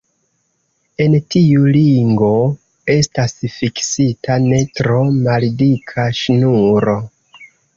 En tiu ringo estas fiksita ne tro maldika ŝnuro.